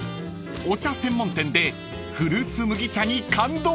［お茶専門店でフルーツ麦茶に感動］